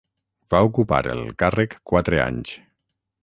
Va ocupar el càrrec quatre anys.